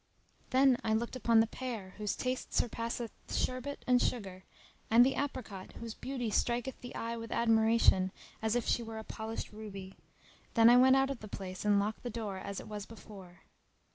Then I looked upon the pear whose taste surpasseth sherbet and sugar; and the apricot[FN#294] whose beauty striketh the eye with admiration, as if she were a polished ruby. Then I went out of the place and locked the door as it was before.